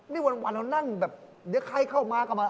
นี่วันเรานั่งแบบเดี๋ยวใครเข้ามาก็มา